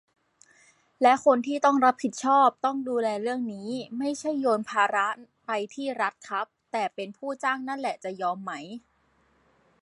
และคนที่ต้องรับผิดชอบ ต้องดูแลเรื่องนี้ ไม่ใช่โยนภาระไปที่รัฐครับ แต่เป็นผู้จ้างนั่นแหละ จะยอมไหม